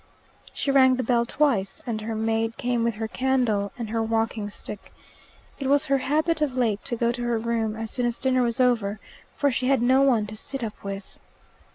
She rang the bell twice, and her maid came with her candle and her walking stick: it was her habit of late to go to her room as soon as dinner was over, for she had no one to sit up with.